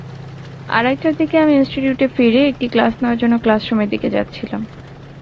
আড়াইটার দিকে আমি ইনস্টিটিউটে ফিরে একটি ক্লাস নেওয়ার জন্য ক্লাসরুমের দিকে যাচ্ছিলাম।